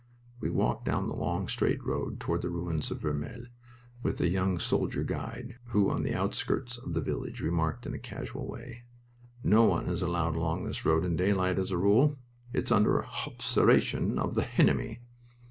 We walked down the long straight road toward the ruins of Vermelles with a young soldier guide who on the outskirts of the village remarked in a casual way: "No one is allowed along this road in daylight, as a rule. It's under hobservation of the henemy."